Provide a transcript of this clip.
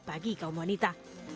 dan bagi kaum wanita